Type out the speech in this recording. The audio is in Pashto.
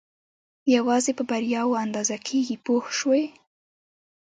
یوازې په بریاوو اندازه کېږي پوه شوې!.